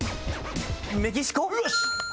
メキシコ？